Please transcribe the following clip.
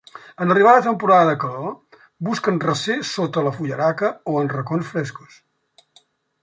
En arribar la temporada de calor busquen recer sota la fullaraca o en racons frescos.